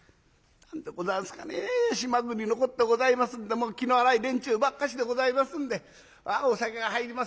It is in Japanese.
「何でございますかね島国のこってございますんで気の荒い連中ばっかしでございますんでお酒が入ります